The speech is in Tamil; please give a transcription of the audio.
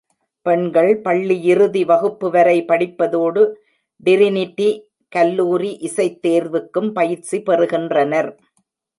பெண்கள் பள்ளியிறுதி வகுப்புவரை படிப்பதோடு, டிரினிடி கல்லூரி இசைத் தேர்வுக்கும் பயிற்சி பெறுகின்றனர்.